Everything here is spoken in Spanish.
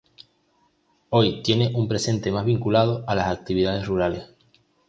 Hoy tiene un presente más vinculado a las actividades rurales.